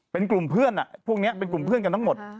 เป็นกลุ่มเพื่อนพวกนี้เป็นกลุ่มเพื่อนกันทั้งหมด